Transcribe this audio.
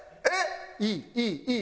いいいいいい！